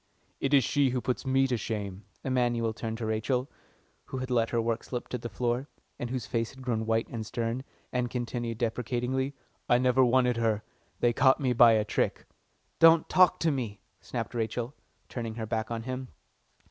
"It's she who puts me to shame." Emanuel turned to Rachel, who had let her work slip to the floor, and whose face had grown white and stern, and continued deprecatingly, "I never wanted her. They caught me by a trick." "Don't talk to me," snapped Rachel, turning her back on him.